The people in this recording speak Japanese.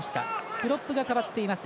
プロップが代わっています。